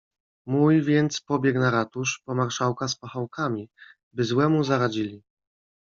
"Mój więc pobiegł na ratusz, po marszałka z pachołkami, by złemu zaradzili."